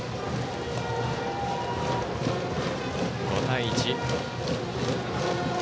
５対１。